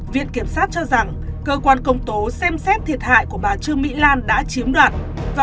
viện kiểm sát cho rằng cơ quan công tố xem xét thiệt hại của bà trương mỹ lan đã chiếm đoạt và